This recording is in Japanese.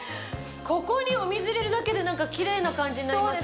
ここにお水入れるだけで何かきれいな感じになりますね。